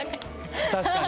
確かに。